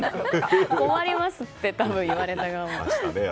困りますってたぶん、言われた側も。